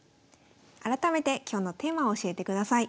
改めて今日のテーマを教えてください。